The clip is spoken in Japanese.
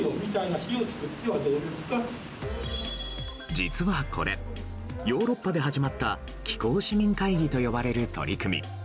実はこれヨーロッパで始まった気候市民会議という取り組み。